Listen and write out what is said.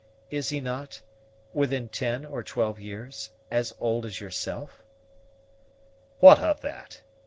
Is he not, within ten or twelve years, as old as yourself?" "What of that?